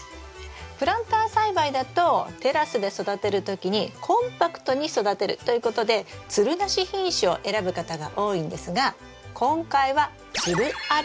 プランター栽培だとテラスで育てる時にコンパクトに育てるということでつるなし品種を選ぶ方が多いんですが今回はつるあり品種を選びます。